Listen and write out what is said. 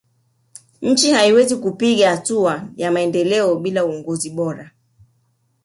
nchi haiwezi kupiga hatua ya maendeleo bila uongozi bora